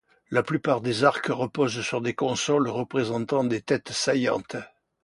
La plupart des arcs reposent sur des consoles représentant des têtes saillantes.